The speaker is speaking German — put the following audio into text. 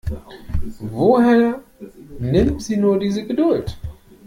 Woher nimmt sie nur diese Geduld?